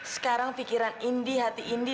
sekarang pikiran indi hati indi